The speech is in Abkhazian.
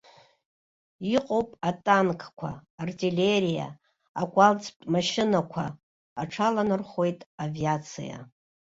Иҟоуп атанкқәа, артиллериа, акәалӡтә машьынақәа, аҽаланархәуеит авиациа.